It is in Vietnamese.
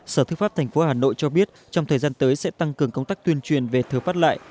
sở thức pháp thành phố hà nội cho biết trong thời gian tới sẽ tăng cường công tác tuyên truyền về thừa phát lại